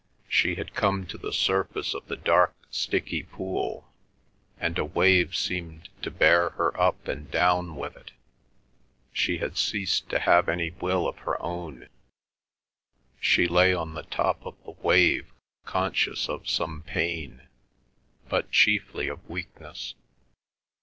She had come to the surface of the dark, sticky pool, and a wave seemed to bear her up and down with it; she had ceased to have any will of her own; she lay on the top of the wave conscious of some pain, but chiefly of weakness.